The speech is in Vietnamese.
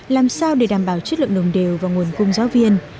làm sao để đảm bảo chất lượng nồng đều và nguồn cung giáo viên